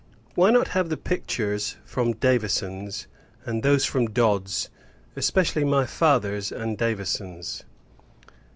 Why not have the pictures from Davison's, and those from Dodd's; especially, my father's, and Davison's?